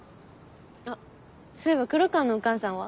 あっそういえば黒川のお母さんは？